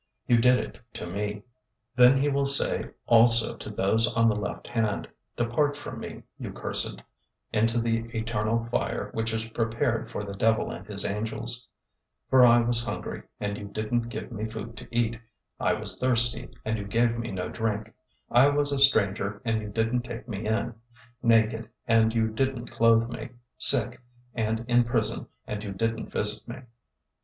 "}, you did it to me.' 025:041 Then he will say also to those on the left hand, 'Depart from me, you cursed, into the eternal fire which is prepared for the devil and his angels; 025:042 for I was hungry, and you didn't give me food to eat; I was thirsty, and you gave me no drink; 025:043 I was a stranger, and you didn't take me in; naked, and you didn't clothe me; sick, and in prison, and you didn't visit me.'